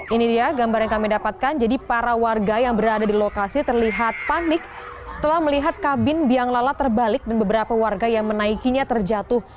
ini dia gambar yang kami dapatkan jadi para warga yang berada di lokasi terlihat panik setelah melihat kabin biang lalat terbalik dan beberapa warga yang menaikinya terjatuh